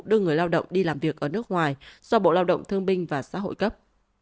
đưa người lao động đi làm việc ở nước ngoài do bộ lao động thương binh và xã hội cấp